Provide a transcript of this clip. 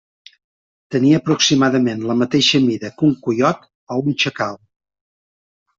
Tenia aproximadament la mateixa mida que un coiot o un xacal.